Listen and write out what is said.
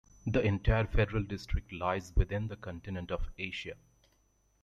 The entire federal district lies within the continent of Asia.